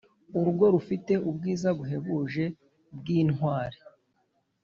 urugo rufite ubwiza buhebuje bw Intwari